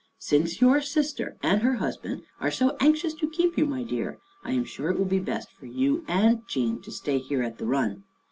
" Since your sister and her husband are so anxious to keep you, my dear, I am sure it will be best for you and Jean to stay here at the run.